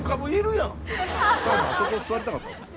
チャンさんあそこ座りたかったんですか？